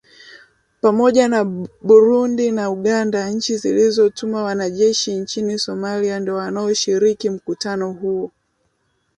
pamoja na burundi na uganda nchi zilizotuma wanajeshi nchini somalia ndio wanaoshiriki mkutano huo